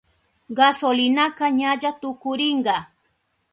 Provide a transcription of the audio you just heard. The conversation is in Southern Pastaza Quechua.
Gasolinaka ñalla tukurinka.